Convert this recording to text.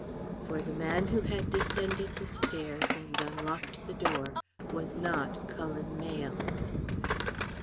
For the man who had descended the stairs and unlocked the door was not Cullen Mayle.